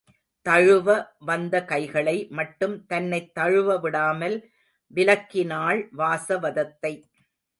தழுவ வந்த கைகளை மட்டும் தன்னைத் தழுவ விடாமல் விலக்கினாள் வாசவதத்தை.